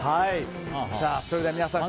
それでは皆さん